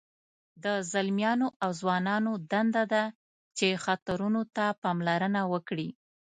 د ځلمیانو او ځوانانو دنده ده چې خطرونو ته پاملرنه وکړي.